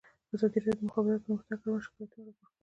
ازادي راډیو د د مخابراتو پرمختګ اړوند شکایتونه راپور کړي.